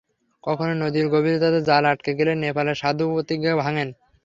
কখনো নদীর গভীরে তাদের জাল আটকে গেলে নেপাল সাধু প্রতিজ্ঞা ভাঙেন।